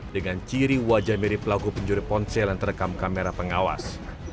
dengan ciri wajah mirip pelaku pencuri ponsel yang terekam kamera pengawas